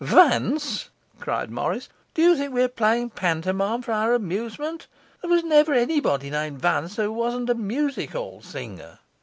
'Vance?' cried Morris. 'Do you think we are playing a pantomime for our amusement? There was never anybody named Vance who wasn't a music hall singer.